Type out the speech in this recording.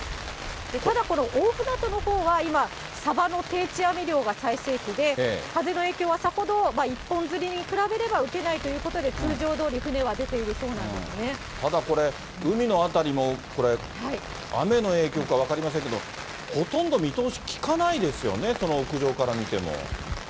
ただこの大船渡のほうは今、サバの定置網漁が最盛期で、風の影響はさほど、一本釣りに比べれば受けないということで、通常どおり船は出ていただこれ、海の辺りもこれ、雨の影響か分かりませんけれども、ほとんど見通し利かないですよね、その屋上から見ても。